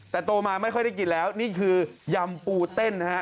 แต่โตมาไม่ค่อยได้กินแล้วนี่คือยำปูเต้นนะฮะ